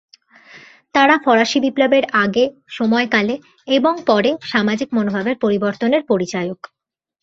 তারা ফরাসি বিপ্লবের আগে, সময়কালে এবং পরে সামাজিক মনোভাবের পরিবর্তনের পরিচায়ক।